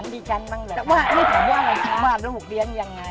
นี่แซมวัดนู้นบุกเรีย้อนยังไง